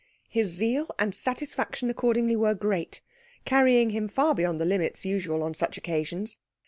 His zeal and satisfaction accordingly were great, carrying him far beyond the limits usual on such occasions.